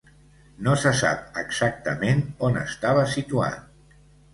No se sap exactament on estava situat.